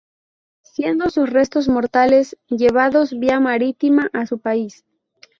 Siendo sus restos mortales llevados vía marítima a su país.